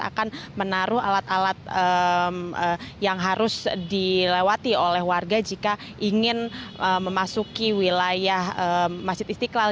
akan menaruh alat alat yang harus dilewati oleh warga jika ingin memasuki wilayah masjid istiqlal